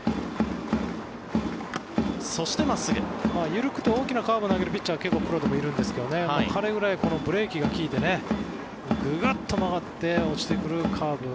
緩くて大きなカーブを投げるピッチャーは結構、プロでもいるんですけど彼ぐらいブレーキが利いてググッと曲がって落ちてくるカーブ。